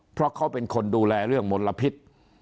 เพราะเขาเป็นคนดูแลเรื่องมลพิษ